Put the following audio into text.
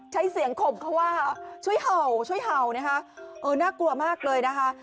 ใช้เสียงข่มเขาว่าช่วยเห่าช่วยเห่านะคะเออน่ากลัวมากเลยนะคะ